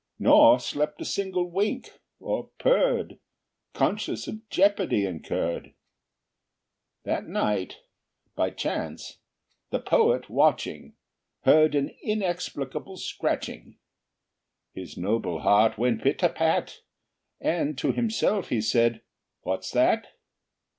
Nor slept a single wink, nor purred, Conscious of jeopardy incurred. That night, by chance, the poet, watching, Heard an inexplicable scratching; His noble heart went pit a pat, And to himself he said "What's that?"